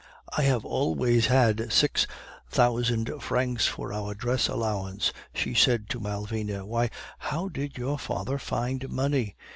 "'I have always had six thousand francs for our dress allowance,' she said to Malvina. 'Why, how did your father find money?